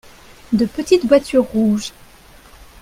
De petites voitures rouges.